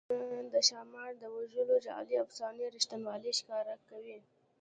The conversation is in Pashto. دلته د ښامار د وژلو جعلي افسانو رښتینوالی ښکاره کړی.